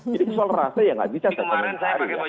jadi soal rasa ya tidak bisa saya komentar